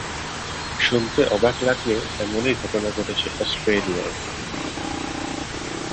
শুনতে অবাক লাগলেও এমনই ঘটনা ঘটছে অস্ট্রেলিয়ায়।